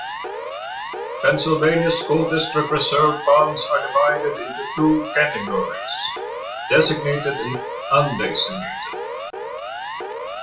Pennsylvania school district reserve funds are divided into two categories - designated and undesignated.